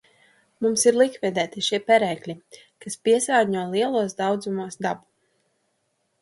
Mums ir likvidēti šie perēkļi, kas piesārņo lielos daudzumos dabu.